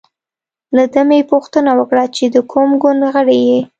له ده مې پوښتنه وکړه چې د کوم ګوند غړی یې.